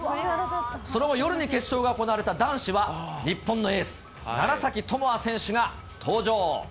その後、夜に決勝が行われた男子は、日本のエース、楢崎智亜選手が登場。